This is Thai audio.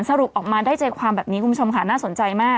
สรุปออกมาได้ใจความแบบนี้คุณผู้ชมค่ะน่าสนใจมาก